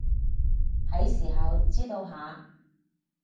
喺時候知道下